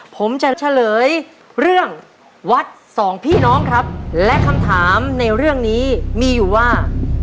ผมจะเฉลยเรื่องวัดสองพี่น้องครับและคำถามในเรื่องนี้มีอยู่ว่า